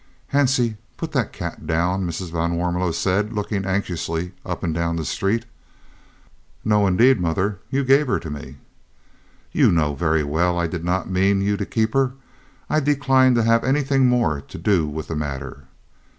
"Hansie, put that cat down," Mrs. van Warmelo said, looking anxiously up and down the street. "No indeed, mother; you gave her to me." "You know very well I did not mean you to keep her. I decline to have anything more to do with the matter."